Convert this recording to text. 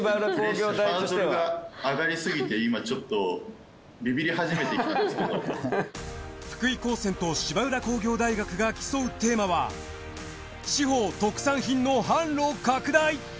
ハードルが上がりすぎて福井高専と芝浦工業大学が競うテーマは地方特産品の販路拡大。